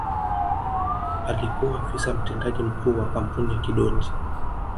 Alikuwa Afisa Mtendaji Mkuu wa kampuni ya Kidoti